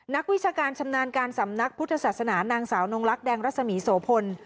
วิชาการชำนาญการสำนักพุทธศาสนานางสาวนงลักษ์แดงรัศมีโสพล